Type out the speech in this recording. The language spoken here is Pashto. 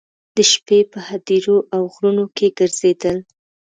د شپې په هدیرو او غرونو کې ګرځېدل.